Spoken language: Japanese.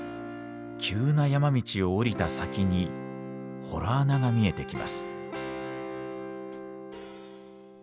急な山道を下りた先に洞穴が見えてきます。